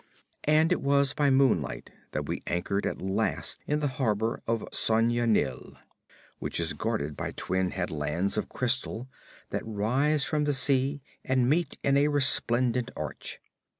And it was by moonlight that we anchored at last in the harbor of Sona Nyl, which is guarded by twin headlands of crystal that rise from the sea and meet in a resplendent, arch.